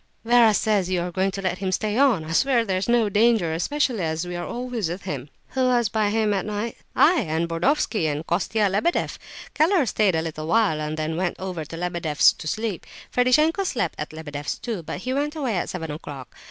Vera says you are going to let him stay on; I swear there's no danger, especially as we are always with him." "Who was by him at night?" "I, and Burdovsky, and Kostia Lebedeff. Keller stayed a little while, and then went over to Lebedeff's to sleep. Ferdishenko slept at Lebedeff's, too; but he went away at seven o'clock.